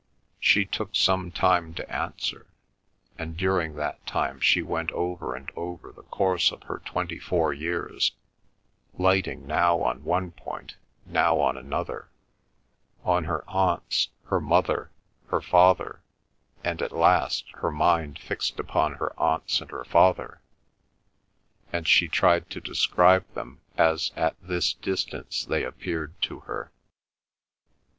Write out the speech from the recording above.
She took some time to answer, and during that time she went over and over the course of her twenty four years, lighting now on one point, now on another—on her aunts, her mother, her father, and at last her mind fixed upon her aunts and her father, and she tried to describe them as at this distance they appeared to her.